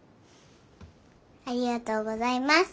ありがとうございます。